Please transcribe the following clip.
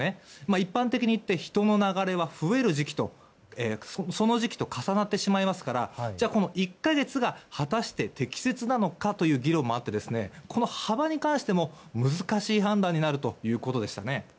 一般的にいって人の流れは増える時期と重なってしまいますからこの１か月が果たして適切なのかという議論もあってこの幅に関しても難しい判断になるということでしたね。